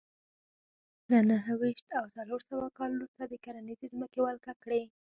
له نهه ویشت او څلور سوه کال وروسته د کرنیزې ځمکې ولکه کړې